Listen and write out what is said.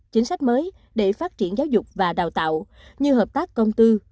chính sách mới để phát triển giáo dục và đào tạo như hợp tác công tư